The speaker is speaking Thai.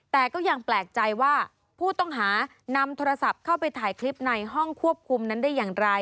แต่ก็ยังแปลกใจว่าผู้ต้องหานำโทรศัพท์เข้าไปถ่ายคลิปในห้องควบคุมนั้นได้อย่างไร